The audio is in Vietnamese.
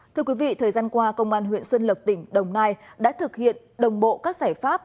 thưa quý vị thời gian qua công an huyện xuân lộc tỉnh đồng nai đã thực hiện đồng bộ các giải pháp